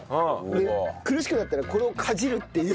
で苦しくなったらこれをかじるっていう。